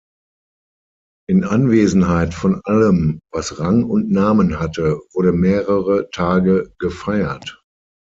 In Anwesenheit von allem, was Rang und Namen hatte, wurde mehrere Tage gefeiert.